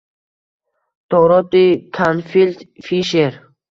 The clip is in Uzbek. Doroti Kanfild Fisher